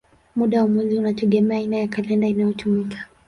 Muda wa mwezi unategemea aina ya kalenda inayotumika.